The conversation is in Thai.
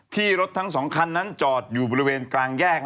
รถทั้ง๒คันนั้นจอดอยู่บริเวณกลางแยก